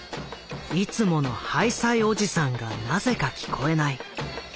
いつもの「ハイサイおじさん」がなぜか聞こえない。